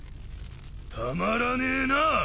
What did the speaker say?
たまらねえな！